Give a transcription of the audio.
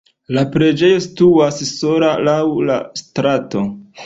La preĝejo situas sola laŭ la strato.